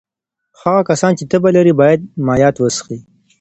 هغه کسان چې تبه لري باید مایعات وڅښي.